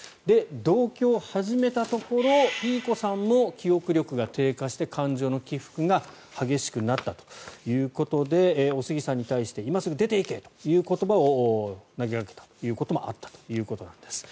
同居を始めたところピーコさんも記憶力が低下して、感情の起伏が激しくなったということでおすぎさんに対して今すぐ出て行けという言葉を投げかけたということもあったということです。